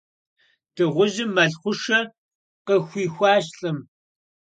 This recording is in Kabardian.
Дыгъужьым мэл хъушэ къыхуихуащ лӀым.